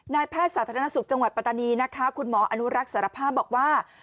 แพทย์สาธารณสุขจังหวัดปัตตานีนะคะคุณหมออนุรักษ์สารภาพบอกว่า